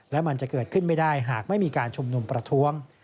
และมันจะเกิดขึ้นไม่ได้หากไม่มีการชุมนุมประท้วง